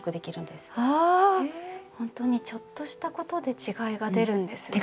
ほんとにちょっとしたことで違いが出るんですね。